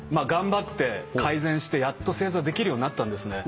頑張って改善してやっと正座できるようになったんです。